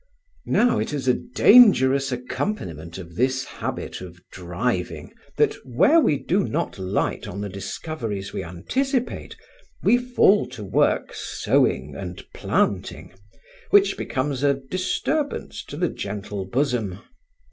Now it is a dangerous accompaniment of this habit of driving, that where we do not light on the discoveries we anticipate, we fall to work sowing and planting; which becomes a disturbance of the gentle bosom.